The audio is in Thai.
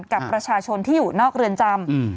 กับประชาชนที่อยู่นอกเรือนจำ